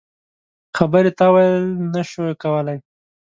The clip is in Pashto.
خبرې تاویل نه شو کولای.